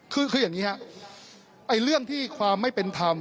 คืออย่างนี้ครับเรื่องที่ความไม่เป็นธรรม